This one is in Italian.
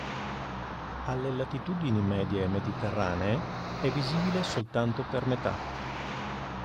Alle latitudini medie mediterranee è visibile soltanto per metà.